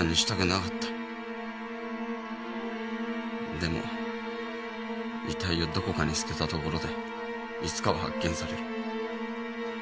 でも遺体をどこかに捨てたところでいつかは発見される。